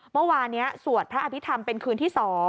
เมื่อวานนี้สวดพระอภิษฐรรมเป็นคืนที่๒